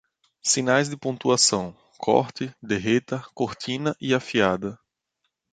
Sinais de pontuação: corte, derreta, cortina e afiada.